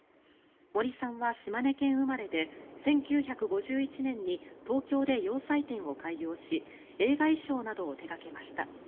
森さんは島根県生まれで１９５１年に東京で洋裁店を開業し映画衣装などを手掛けました。